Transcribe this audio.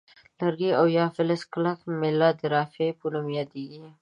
لرګی او یا فلزي کلکه میله د رافعې په نوم یادیږي.